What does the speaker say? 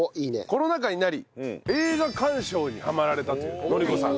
コロナ禍になり映画鑑賞にハマられたという乃理子さん。